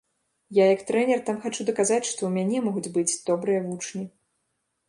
Я як трэнер там хачу даказаць, што ў мяне могуць быць добрыя вучні.